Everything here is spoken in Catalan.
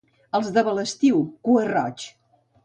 Els de Balestui, cua-roigs.